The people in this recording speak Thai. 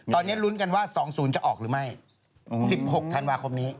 ตอนนี้ลุ้นกันว่า๒๐จะออกหรือไม่๑๖ธันวาคมนี้